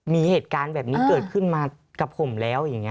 มีเหตุการณ์แบบนี้เกิดขึ้นมากับผมแล้วอย่างนี้